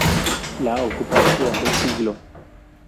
La ocuparon durante un siglo.